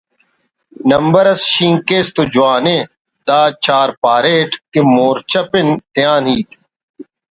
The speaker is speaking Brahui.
نمبر اس شینک کیس تو جوان ءِ دا جار پاریٹ کہ ’مورچہ پن‘ تیان ہیت